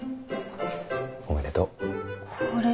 おめでとう。